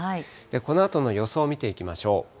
このあとの予想見ていきましょう。